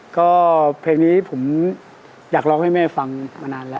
ก็เพลงนี้ผมอยากร้องให้แม่ฟังมานานแล้ว